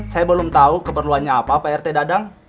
saya belum tahu keperluannya apa pak rt dadang